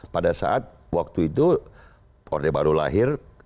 pada saat waktu itu orde baru lahir